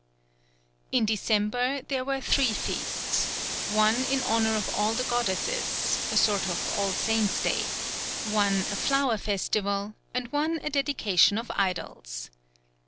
] In December there were three feasts one in honour of all the goddesses, a sort of All Saints' Day; one a flower festival; and one a dedication of idols.